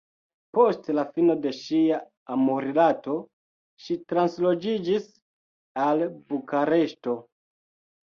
Post la fino de ŝia amrilato, ŝi transloĝiĝis al Bukareŝto.